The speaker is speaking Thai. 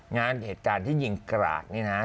งานเหตุการณ์ที่ยิ่งกระหลาดนี่นะฮะ